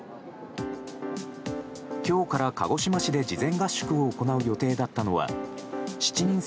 今日から鹿児島市で事前合宿を行う予定だったのは７人制